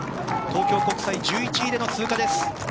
東京国際、１１位での通過です。